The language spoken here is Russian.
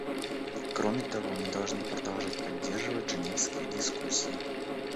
Кроме того, мы должны продолжать поддерживать женевские дискуссии.